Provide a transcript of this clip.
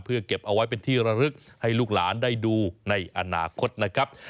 เพื่อเก็บเอาไว้เป็นที่ระลึกให้ลูกหลานได้ดูในอนาคตนะครับ